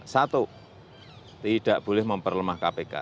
satu tidak boleh memperlemah kpk